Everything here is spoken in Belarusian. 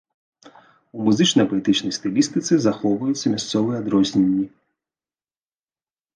У музычна-паэтычнай стылістыцы захоўваюцца мясцовыя адрозненні.